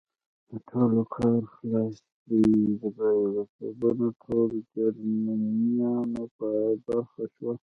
د ټولو کار خلاص دی، بریالیتوبونه ټول د جرمنیانو په برخه شول.